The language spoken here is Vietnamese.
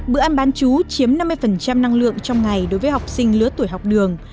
bữa ăn bán chú chiếm năm mươi năng lượng trong ngày đối với học sinh lứa tuổi học đường